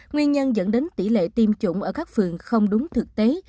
nguyên nhân dẫn đến tỷ lệ tiêm chủng ở các phường không đúng thực tế